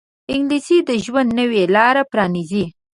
انګلیسي د ژوند نوې لارې پرانیزي